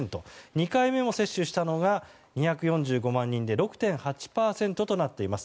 ２回目も接種したのが２４５万人で６．８％となっています。